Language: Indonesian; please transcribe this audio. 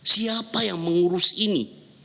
siapa yang mengurus ini